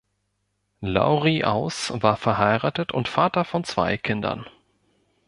Lauri Aus war verheiratet und Vater von zwei Kindern.